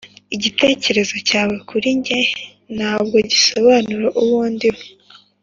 igitekerezo cyawe kuri njye ntabwo gisobanura uwo ndiwe.